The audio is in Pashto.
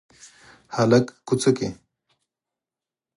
هلک کوڅه کې